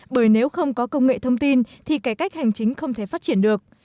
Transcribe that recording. bởi nếu không có công nghệ thông tin thì cải cách hành chính không thể phát triển được